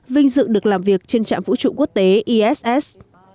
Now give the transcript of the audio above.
vinh dự được làm việc trên trạm vũ trụ quốc tế iss